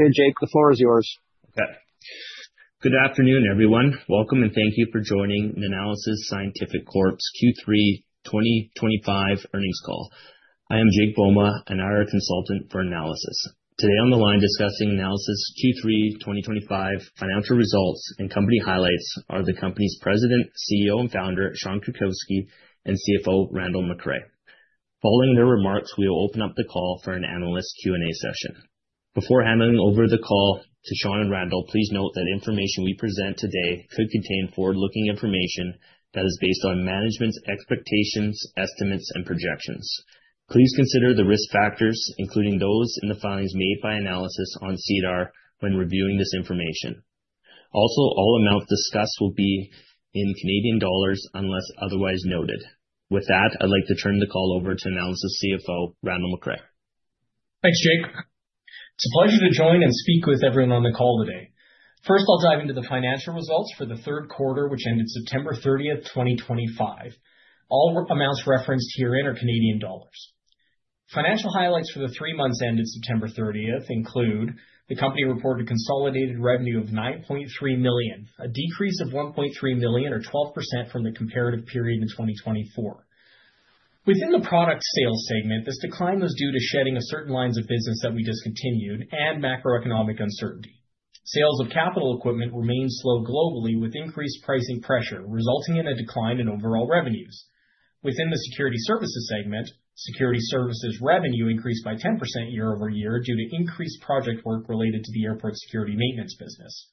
Okay, Jake, the floor is yours. Okay. Good afternoon, everyone. Welcome, and thank you for joining the Nanalysis Scientific Corp.'s Q3 2025 Earnings Call. I am Jake Bouma, an IR consultant for Nanalysis. Today on the line discussing Nanalysis Q3 2025 financial results and company highlights are the company's President, CEO, and Founder, Sean Krakiwsky, and CFO, Randall McRae. Following their remarks, we will open up the call for an analyst Q&A session. Before handing over the call to Sean and Randall, please note that information we present today could contain forward-looking information that is based on management's expectations, estimates, and projections. Please consider the risk factors, including those in the filings made by Nanalysis on SEDAR+, when reviewing this information. Also, all amounts discussed will be in CAD unless otherwise noted. With that, I'd like to turn the call over to Nanalysis CFO, Randall McRae. Thanks, Jake. It's a pleasure to join and speak with everyone on the call today. First, I'll dive into the financial results for the third quarter, which ended September 30, 2025. All amounts referenced herein are CAD. Financial highlights for the three months ended September 30 include the company reported a consolidated revenue of 9.3 million, a decrease of 1.3 million, or 12% from the comparative period in 2024. Within the product sales segment, this decline was due to shedding of certain lines of business that we discontinued and macroeconomic uncertainty. Sales of capital equipment remained slow globally with increased pricing pressure, resulting in a decline in overall revenues. Within the security services segment, security services revenue increased by 10% year-over-year due to increased project work related to the airport security maintenance business.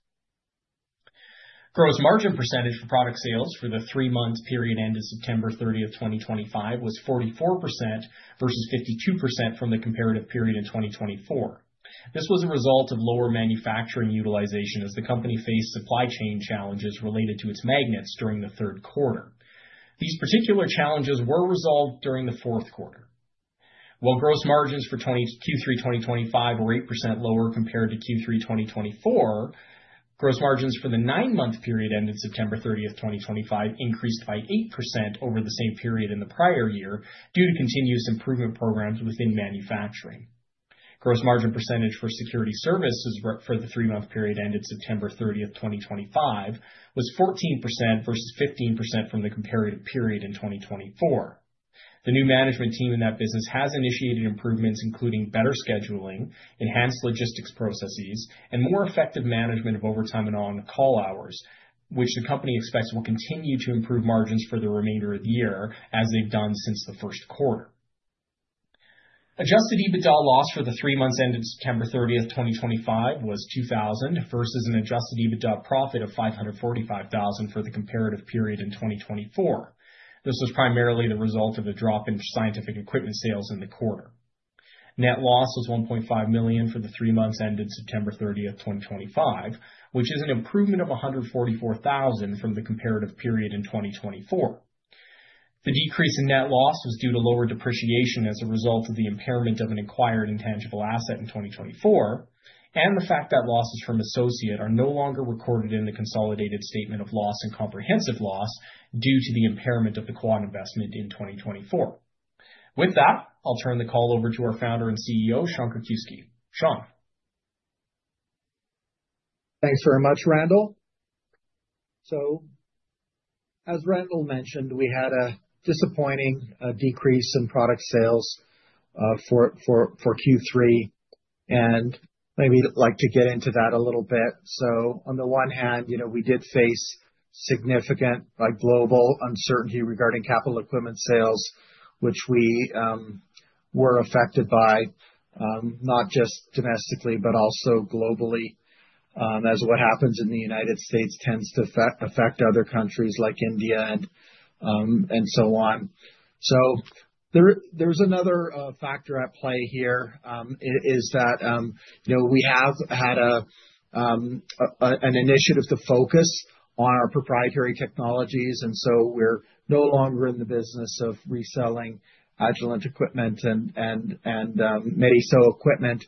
Gross margin percentage for product sales for the three-month period ended September 30, 2025, was 44% versus 52% from the comparative period in 2024. This was a result of lower manufacturing utilization as the company faced supply chain challenges related to its magnets during the third quarter. These particular challenges were resolved during the fourth quarter. While gross margins for Q3 2025 were 8% lower compared to Q3 2024, gross margins for the nine-month period ended September 30, 2025, increased by 8% over the same period in the prior year due to continuous improvement programs within manufacturing. Gross margin percentage for security services for the three-month period ended September 30, 2025, was 14% versus 15% from the comparative period in 2024. The new management team in that business has initiated improvements, including better scheduling, enhanced logistics processes, and more effective management of overtime and on-call hours, which the company expects will continue to improve margins for the remainder of the year as they've done since the first quarter. Adjusted EBITDA loss for the three months ended September 30, 2025, was 2,000 versus an adjusted EBITDA profit of 545,000 for the comparative period in 2024. This was primarily the result of a drop in scientific equipment sales in the quarter. Net loss was 1.5 million for the three months ended September 30, 2025, which is an improvement of 144,000 from the comparative period in 2024. The decrease in net loss was due to lower depreciation as a result of the impairment of an acquired intangible asset in 2024, and the fact that losses from associate are no longer recorded in the consolidated statement of loss and comprehensive loss due to the impairment of the QUAD investment in 2024. With that, I'll turn the call over to our Founder and CEO, Sean Krakiwsky. Sean. Thanks very much, Randall. As Randall mentioned, we had a disappointing decrease in product sales for Q3, and maybe I'd like to get into that a little bit. On the one hand, we did face significant global uncertainty regarding capital equipment sales, which we were affected by not just domestically, but also globally, as what happens in the United States tends to affect other countries like India and so on. Another factor at play here is that we have had an initiative to focus on our proprietary technologies, and so we're no longer in the business of reselling Agilent equipment and MediSo equipment.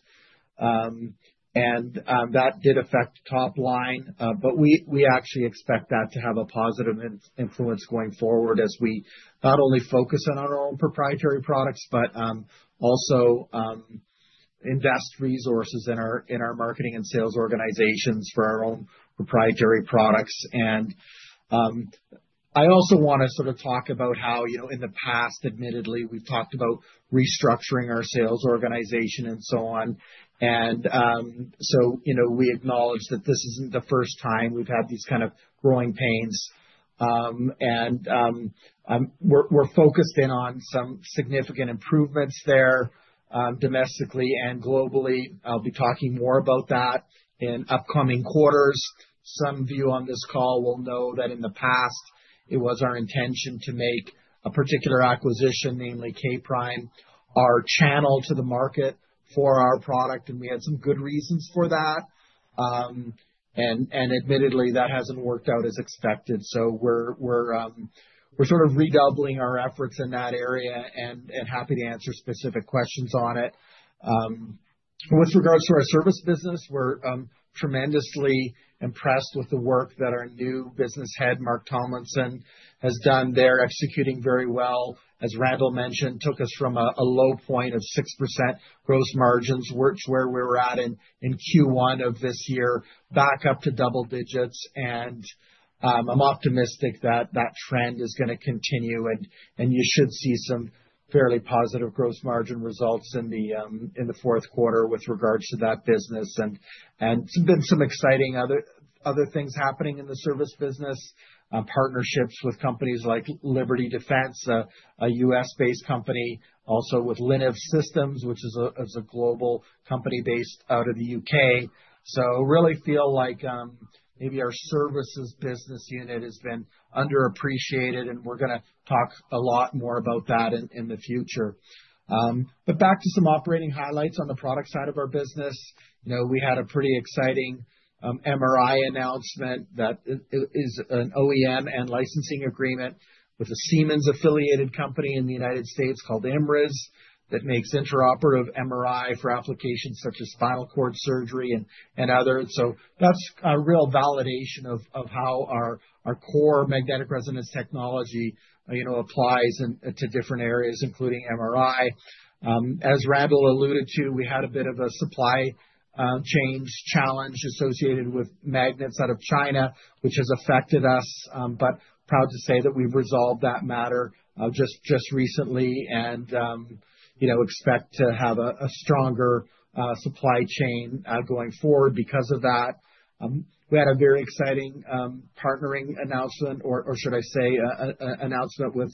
That did affect top line, but we actually expect that to have a positive influence going forward as we not only focus on our own proprietary products, but also invest resources in our marketing and sales organizations for our own proprietary products. I also want to sort of talk about how in the past, admittedly, we've talked about restructuring our sales organization and so on. We acknowledge that this isn't the first time we've had these kind of growing pains, and we're focused in on some significant improvements there domestically and globally. I'll be talking more about that in upcoming quarters. Some of you on this call will know that in the past, it was our intention to make a particular acquisition, namely K-Prime, our channel to the market for our product, and we had some good reasons for that. Admittedly, that hasn't worked out as expected. We're sort of redoubling our efforts in that area and happy to answer specific questions on it. With regards to our service business, we're tremendously impressed with the work that our new business head, Marc Tomlinson, has done there, executing very well. As Randall mentioned, took us from a low point of 6% gross margins, which is where we were at in Q1 of this year, back up to double digits. I am optimistic that that trend is going to continue, and you should see some fairly positive gross margin results in the fourth quarter with regards to that business. There have been some exciting other things happening in the service business, partnerships with companies like Liberty Defense, a U.S.-based company, also with LINEV Systems, which is a global company based out of the U.K. I really feel like maybe our services business unit has been underappreciated, and we're going to talk a lot more about that in the future. Back to some operating highlights on the product side of our business. We had a pretty exciting MRI announcement that is an OEM and licensing agreement with a Siemens-affiliated company in the United States called IMRIS that makes interoperative MRI for applications such as spinal cord surgery and others. That is a real validation of how our core magnetic resonance technology applies to different areas, including MRI. As Randall alluded to, we had a bit of a supply chain challenge associated with magnets out of China, which has affected us, but proud to say that we've resolved that matter just recently and expect to have a stronger supply chain going forward because of that. We had a very exciting partnering announcement, or should I say an announcement with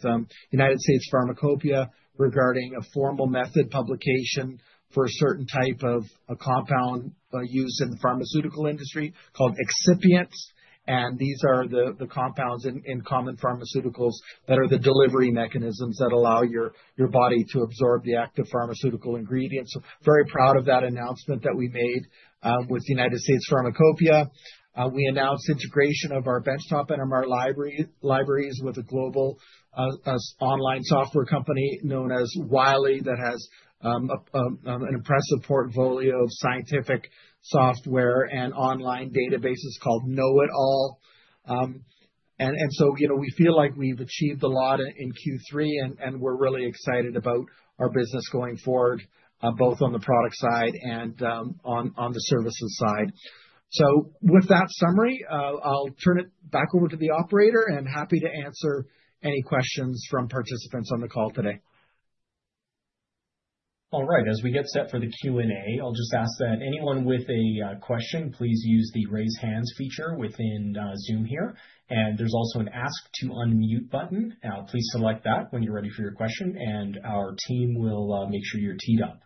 United States Pharmacopeia regarding a formal method publication for a certain type of compound used in the pharmaceutical industry called excipients. These are the compounds in common pharmaceuticals that are the delivery mechanisms that allow your body to absorb the active pharmaceutical ingredients. Very proud of that announcement that we made with United States Pharmacopeia. We announced integration of our benchtop NMR libraries with a global online software company known as Wiley that has an impressive portfolio of scientific software and online databases called KnowItAll. We feel like we've achieved a lot in Q3, and we're really excited about our business going forward, both on the product side and on the services side. With that summary, I'll turn it back over to the operator and happy to answer any questions from participants on the call today. All right. As we get set for the Q&A, I'll just ask that anyone with a question please use the raise hands feature within Zoom here. There is also an ask to unmute button. Please select that when you're ready for your question, and our team will make sure you're teed up.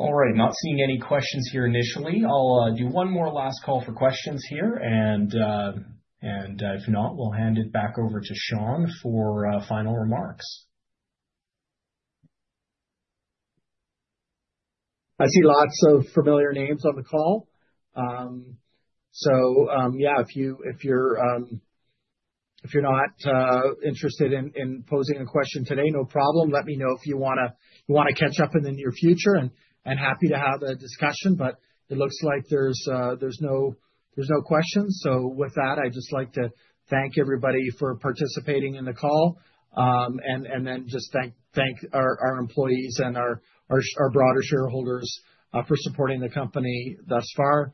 All right. Not seeing any questions here initially. I'll do one more last call for questions here, and if not, we'll hand it back over to Sean for final remarks. I see lots of familiar names on the call. Yeah, if you're not interested in posing a question today, no problem. Let me know if you want to catch up in the near future, and happy to have a discussion. It looks like there's no questions. With that, I'd just like to thank everybody for participating in the call and then just thank our employees and our broader shareholders for supporting the company thus far.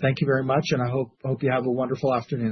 Thank you very much, and I hope you have a wonderful afternoon.